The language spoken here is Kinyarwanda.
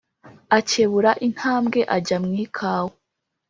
akebura intambwe ajya mu ikawa